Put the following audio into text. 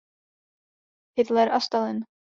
Hitler a Stalin.